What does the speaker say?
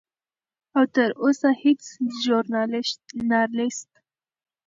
او تر اوسه هیڅ ژورنالست